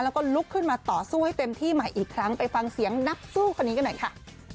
แล้วก็ลุกขึ้นมาต่อสู้ให้เต็มที่ใหม่อีกครั้งไปฟังเสียงนักสู้คนนี้กันหน่อยค่ะ